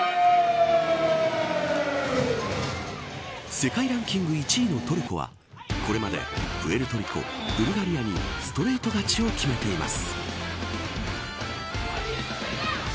世界ランキング１位のトルコはこれまでプエルトリコブルガリアにストレート勝ちを決めています。